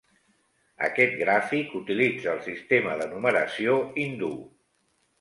"Aquest gràfic utilitza el sistema de numeració hindú"